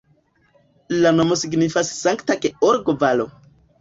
La nomo signifas Sankta Georgo-valo.